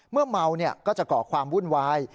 เมื่อเมาก็จะก่อความวุ่นวาย